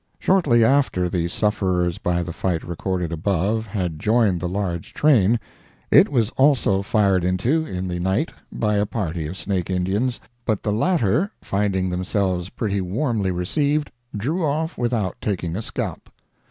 Shortly after the sufferers by the fight recorded above had joined the large train, it was also fired into in the night by a party of Snake Indians, but the latter, finding themselves pretty warmly received, drew off without taking a scalp.